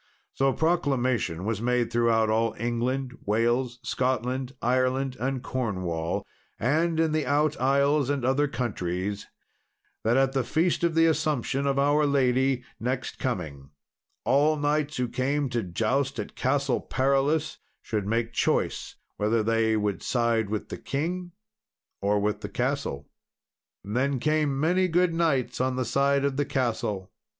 So proclamation was made throughout all England, Wales, Scotland, Ireland, and Cornwall, and in the out isles and other countries, that at the Feast of the Assumption of our Lady, next coming, all knights who came to joust at Castle Perilous should make choice whether they would side with the king or with the castle. Then came many good knights on the side of the castle.